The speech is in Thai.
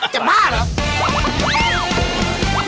จับมาแล้ว